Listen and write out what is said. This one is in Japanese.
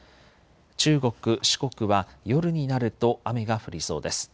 中国、四国は夜になると雨が降りそうです。